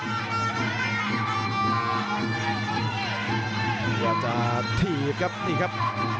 พยายามจะถีบครับนี่ครับ